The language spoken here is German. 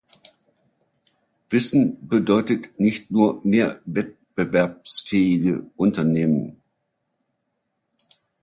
Wissen bedeutet nicht nur mehr wettbewerbsfähige Unternehmen.